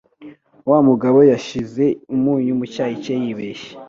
Wa mugabo yashyize umunyu mu cyayi cye yibeshya.